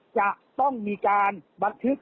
จะต้องมีการบันทึก